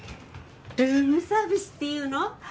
ルームサービスっていうの？